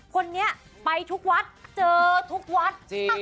คนนี้ไปทุกวัดเจอทุกวัดจริง